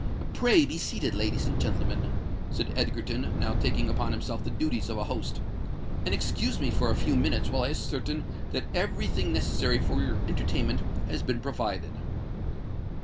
"Pray be seated, ladies and gentlemen," said Egerton, now taking upon himself the duties of a host: "and excuse me for a few minutes while I ascertain that every thing necessary for your entertainment has been provided."